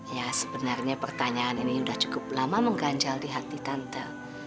ya sebenarnya pertanyaan ini sudah cukup lama mengganjal di hati tante